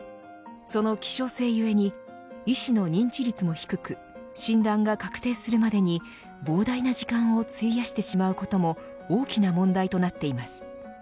その希少性ゆえに医師の認知率も低く診断が確定するまでに膨大な時間を費やしてしまうことも大きな問題となっています。